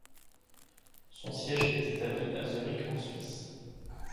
Son siège est établi à Zurich en Suisse.